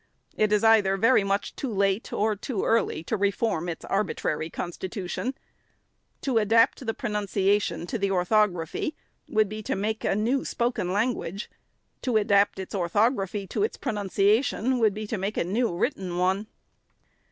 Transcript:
It is either very much too late or too early to reform its arbi trary constitution. To adapt the pronunciation to the orthography would be to make a new spoken language ; to adapt its orthography to its pronunciation would be to make a new written one.